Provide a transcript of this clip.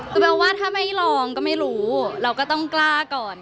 คือเบลว่าถ้าไม่ลองก็ไม่รู้เราก็ต้องกล้าก่อน